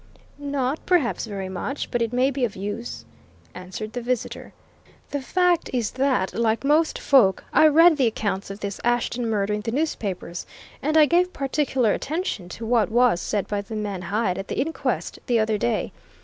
"Not, perhaps, very much, but it may be of use," answered the visitor. "The fact is that, like most folk, I read the accounts of this Ashton murder in the newspapers, and I gave particular attention to what was said by the man Hyde at the inquest the other day.